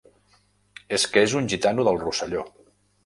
És que és un gitano del Rosselló.